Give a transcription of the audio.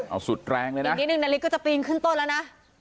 เอาสุดแรงเลยนะอีกนิดนึงนาริสก็จะปีนขึ้นต้นแล้วนะ